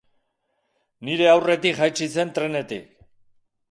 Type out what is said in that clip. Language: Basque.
Nire aurretik jaitsi zen trenetik.